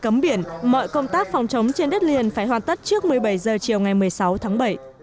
cấm biển mọi công tác phòng chống trên đất liền phải hoàn tất trước một mươi bảy h chiều ngày một mươi sáu tháng bảy